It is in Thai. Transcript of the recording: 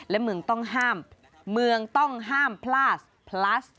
และเมืองต้องห้ามเมืองต้องห้ามพลาดพลัส